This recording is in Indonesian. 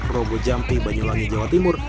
robo jampi banyuwangi jawa timur